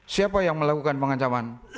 siapa yang melakukan pengancaman